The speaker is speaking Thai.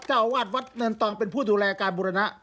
เจ้าอาวาสวัดเนินตองเป็นผู้ดูแลการบุรณะ